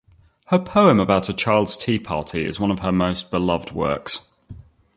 Her poem about a child's tea party is one of her most beloved works.